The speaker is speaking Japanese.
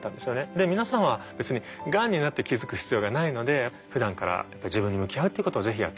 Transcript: で皆さんは別にがんになって気付く必要がないので普段から自分に向き合うっていうことをぜひやって頂きたい。